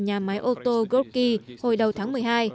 nhà máy ô tô goldki hồi đầu tháng một mươi hai